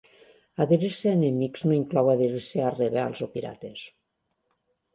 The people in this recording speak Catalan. Adherir-se a "enemics" no inclou adherir-se a rebels o pirates.